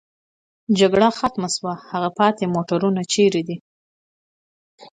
جګړه ختمه شوې، هغه پاتې موټرونه چېرې دي؟